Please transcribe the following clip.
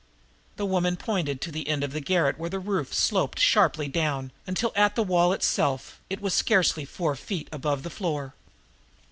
The woman pointed to the end of the garret where the roof sloped sharply down until, at the wall itself, it was scarcely four feet above the floor.